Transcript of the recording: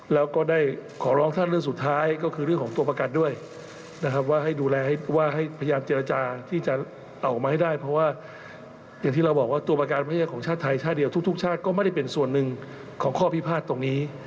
แล้วก็ได้ขอร้องท่านเรื่องสุดท้ายก็คือเรื่องของตัวประกันด้วยนะครับว่าให้ดูแลให้ว่าให้พยายามเจรจาที่จะออกมาให้ได้เพราะว่าอย่างที่เราบอกว่าตัวประกันไม่ใช่ของชาติไทยชาติเดียวทุกชาติก็ไม่ได้เป็นส่วนหนึ่งของข้อพิพาทตรงนี้